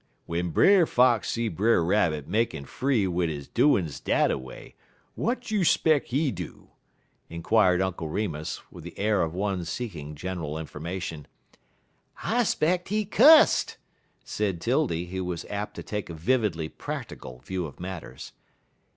"W'en Brer Fox see Brer Rabbit makin' free wid he doin's dat a way, w'at you 'speck he do?" inquired Uncle Remus, with the air of one seeking general information. "I 'speck he cusst," said 'Tildy, who was apt to take a vividly practical view of matters.